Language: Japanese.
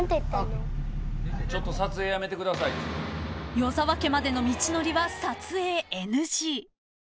［与沢家までの道のりは撮影ＮＧ］